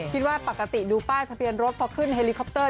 คิดว่าปกติดูป้ายทะเบียนรถพอขึ้นเฮลิคอปเตอร์